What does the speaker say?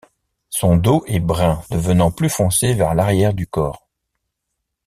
Son dos est brun devenant plus foncé vers l'arrière du corps.